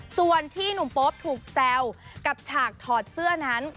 ส่วนที่หนุ่มโป๊ปถูกแซวกับฉากถอดเสื้อนั้น